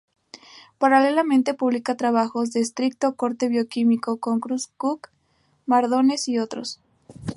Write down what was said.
Paralelamente publica trabajos de estricto corte bioquímico con Cruz-Coke, Mardones y otros.